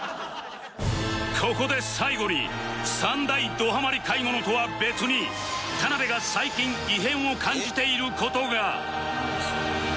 ここで最後に３大どハマり買い物とは別に田辺が最近異変を感じている事が